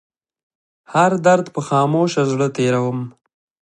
هر درد په خاموشه زړه تيروم